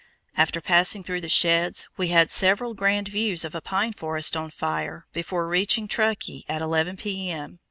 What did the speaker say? After passing through the sheds, we had several grand views of a pine forest on fire before reaching Truckee at 11 P.M.